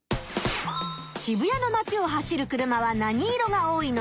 渋谷のまちを走る車は何色が多いのか？